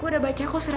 ada apaan sih